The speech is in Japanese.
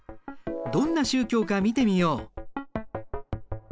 どんな宗教か見てみよう。